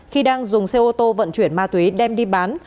khi đang dùng xe ô tô vận chuyển ma túy đem đi bán